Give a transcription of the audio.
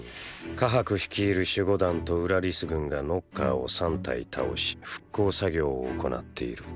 カハク率いる守護団とウラリス軍がノッカーを３体倒し復興作業を行っている。